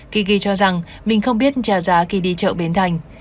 tigi cho rằng mình không biết trả giá khi đi chợ bến thành